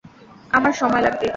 আমার সময় লাগবে।